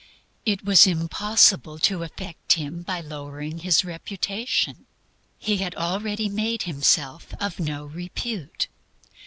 It was impossible to affect Him by lowering His reputation. He had already made Himself of no reputation.